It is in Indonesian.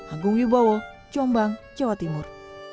agung wibowo jombang jawa timur